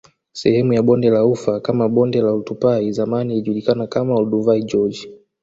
Sehemu ya Bonde la ufa kama Bonde la Oltupai zamani ilijulikana kama Olduvai Gorge